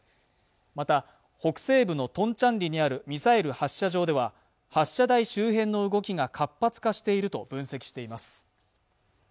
また北西部のトンチャンリにあるミサイル発射場では発射台周辺の動きが活発化していると分析しています